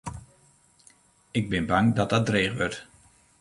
Ik bin bang dat dat dreech wurdt.